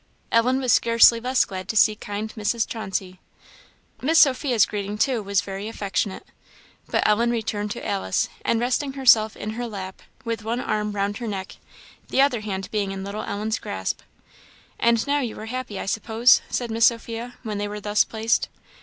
Ellen was scarcely less glad to see kind Mrs. Chauncey; Miss Sophia's greeting, too, was very affectionate. But Ellen returned to Alice, and rested herself in her lap, with one arm round her neck, the other hand being in little Ellen's grasp. "And now you are happy, I suppose?" said Miss Sophia, when they were thus placed.